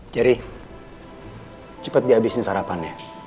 jerry cepet di abisin sarapannya